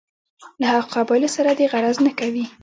له هغو قبایلو سره دې غرض نه کوي.